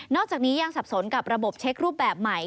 อกจากนี้ยังสับสนกับระบบเช็ครูปแบบใหม่